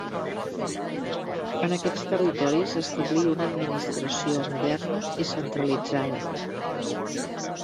En aquests territoris establí una administració moderna i centralitzada.